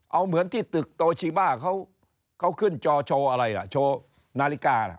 เอาเหมือนที่ตึกโตชิบ้าเขาขึ้นจอโชว์อะไรล่ะโชว์นาฬิกาล่ะ